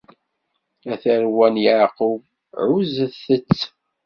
A tarwa n Yeɛqub, ɛuzzet- tt!